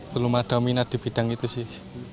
belum ada minat di bidang itu sih